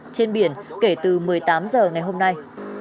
trên biển kể từ một mươi tám h ngày hôm nay